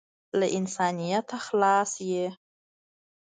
له انسانیته خلاص یې .